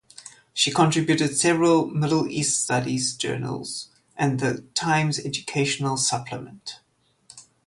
She contributed to several Middle East studies journals and the "Times Educational Supplement".